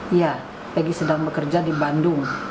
iya egy sedang bekerja di bandung